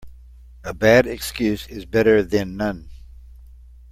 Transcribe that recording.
A bad excuse is better then none.